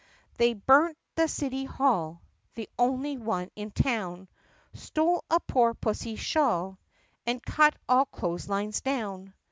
They burned the city hall (The only one in town), Stole a poor pussy's shawl, And cut all clothes lines down.